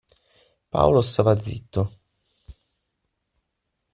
Paolo stava zitto.